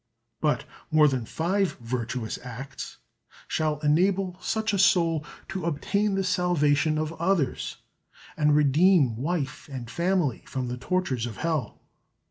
But more than five virtuous acts shall enable such a soul to obtain the salvation of others, and redeem wife and family from the tortures of hell.